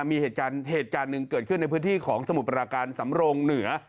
มีเหตุการณ์เหตุการณ์หนึ่งเกิดขึ้นในพื้นที่ของสมุทรปราการสำโรงเหนือ